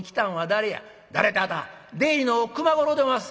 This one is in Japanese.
「誰ってあぁた出入りの熊五郎でおます」。